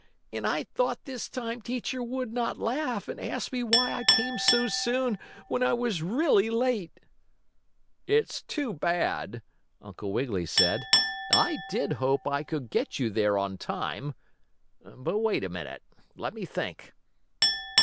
And I thought this time teacher would not laugh, and ask me why I came so soon, when I was really late." "It's too bad!" Uncle Wiggily said. "I did hope I could get you there on time. But wait a minute. Let me think.